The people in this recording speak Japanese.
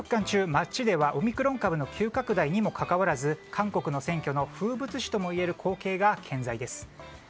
中街ではオミクロン株の急拡大にもかかわらず韓国の選挙の風物詩ともいえる光景が健在です。